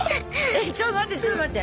えちょっと待ってちょっと待って！